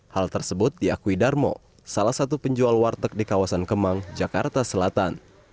hal tersebut diakui darmo salah satu penjual warteg di kawasan kemang jakarta selatan